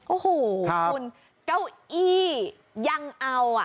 โอ้โหคุณเก้าอี้ยังเอาอ่ะ